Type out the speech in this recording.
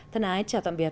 thân ái chào tạm biệt